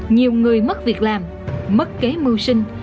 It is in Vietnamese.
nhiều người mất việc làm mất kế mưu sinh